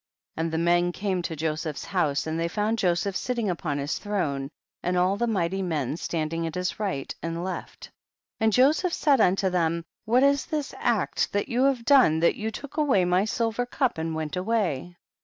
29. And the men came to Joseph's house, and they found Joseph sitting upon his throne, and all the mighty men standing at his right and left. 30. And Joseph said unto them, what is this act that you have done, that you took away my silver cup and went away